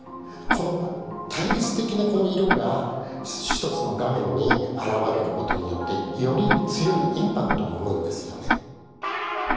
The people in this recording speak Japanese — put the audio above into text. この対立的なこの色が一つの画面に現れることによってより強いインパクトを生むんですよね。